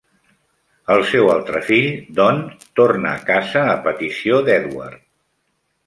El seu altre fill, Don, torna a casa a petició d'Edward.